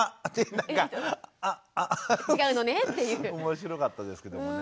面白かったですけどもね。